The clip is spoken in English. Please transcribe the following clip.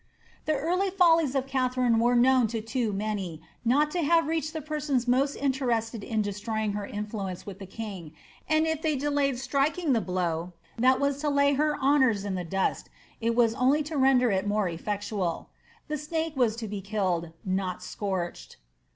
The early follies of Katharine were knovm to too many not to have reached the persons most interested in destroying her influence with the king, and if they delayed striking the blow that was to lay her honoais in the dust, it was only to render it more efiectual. The ^ snake was to be killed, not scotched."